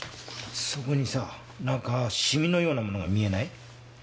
そこにさ何かシミのようなものが見えない？